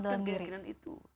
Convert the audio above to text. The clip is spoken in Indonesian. jadi kuatkan keyakinan dalam diri